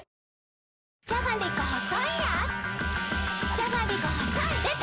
じゃがりこ細いでた‼